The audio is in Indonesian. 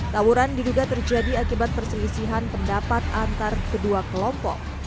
tawuran diduga terjadi akibat perselisihan pendapat antar kedua kelompok